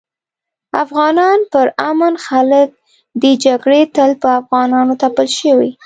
افغانان پر امن خلک دي جګړي تل په افغانانو تپل شوي